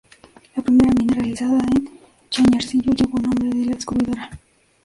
La primera mina realizada en Chañarcillo llevó el nombre de "La Descubridora".